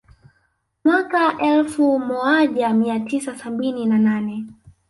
Mwaka elfu moaja mia tisa sabini na nane